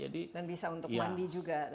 dan bisa untuk mandi juga